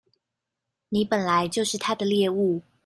你本來就是他的獵物